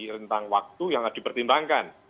rentang waktu yang harus dipertimbangkan